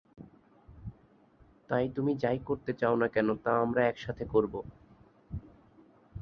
তাই তুমি যাই করতে চাও না কেন, তা আমরা একসাথে করব।